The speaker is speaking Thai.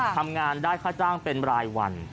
ทำงานได้ค่าจ้างเป็นรายวัน